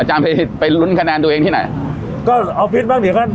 ไปไปลุ้นคะแนนตัวเองที่ไหนก็ออฟฟิศบ้างเดี๋ยวก็